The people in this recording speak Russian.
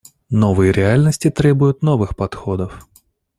Новые реальности требуют новых подходов.